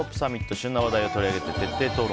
旬な話題を取り上げて徹底討論。